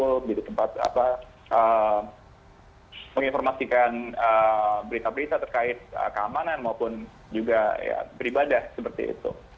untuk tempat menginformasikan berita berita terkait keamanan maupun juga beribadah seperti itu